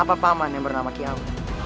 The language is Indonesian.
apa paman yang bernama kiau